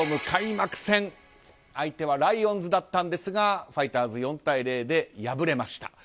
開幕戦相手はライオンズだったんですがファイターズ４対０で敗れました。